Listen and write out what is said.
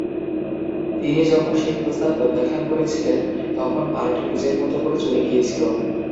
তিনি যখন সেই প্রস্তাব প্রত্যাখ্যান করেছিলেন, তখন পার্টি নিজের মতো করে চলে গিয়েছিল।